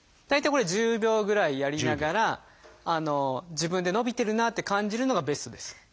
大体これ１０秒ぐらいやりながら自分で伸びてるなあって感じるのがベストです。